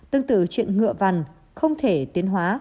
tương tự chuyện ngựa vằn không thể tiến hóa